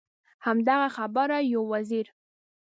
همدغه خبره یو وزیر.